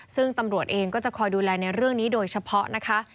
ซึ่งตำรวจเองก็จะคอยดูแลในเรื่องนี้โดยเฉพาะนะคะ